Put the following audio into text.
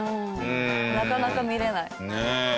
なかなか見れない。